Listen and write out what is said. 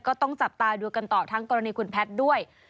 ก็ต้องจับตาดูกันต่อทั้งกรณีคุณแพทย์ด้วย